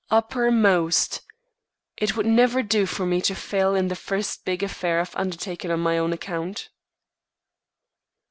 "Uppermost! It would never do for me to fail in the first big affair I've undertaken on my own account."